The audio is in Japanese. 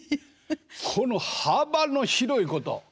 この幅の広いこと。